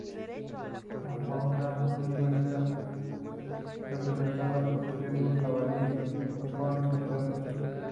La fauna nativa está representada por ciervos, jabalíes, tejones, entre otros.